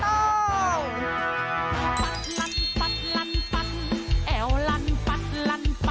ยังพัช